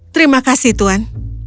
terima kasih tuhan